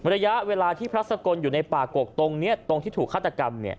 ระยะเวลาที่พระสกลอยู่ในป่ากกตรงนี้ตรงที่ถูกฆาตกรรม